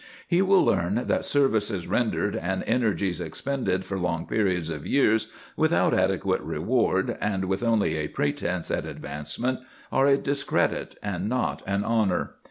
He will learn that services rendered and energies expended for long periods of years without adequate reward, and with only a pretence at advancement, are a discredit and not an honour.